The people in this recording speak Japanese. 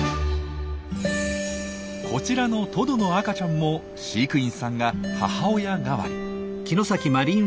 こちらのトドの赤ちゃんも飼育員さんが母親代わり。